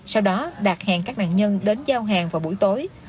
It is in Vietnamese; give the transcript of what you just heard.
sau đó đạt hẹn các nạn nhân đến giao hàng vào buổi tối